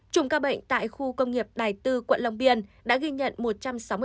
chùm ca bệnh tại khu công nghiệp đài tư quận long biên đã ghi nhận